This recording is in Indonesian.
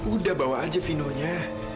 udah bawa aja vinonya